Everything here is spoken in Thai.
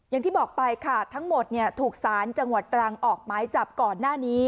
อย่างที่บอกไปค่ะทั้งหมดถูกสารจังหวัดตรังออกไม้จับก่อนหน้านี้